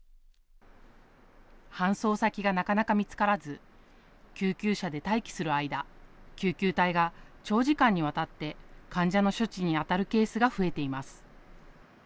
搬送先がなかなか見つからず救急車で待機する間、救急隊が長時間にわたって患者の処置にあたるケースが増えています。